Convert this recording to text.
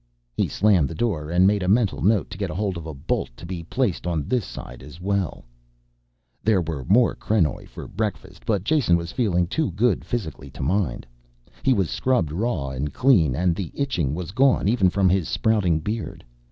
He slammed the door and made a mental note to get hold of a bolt to be placed on this side as well. There were more krenoj for breakfast but Jason was feeling too good physically to mind. He was scrubbed raw and clean and the itching was gone even from his sprouting beard.